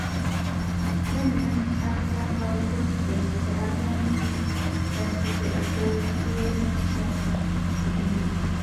Ten years after Falco's death the album re-entered the Austrian charts again.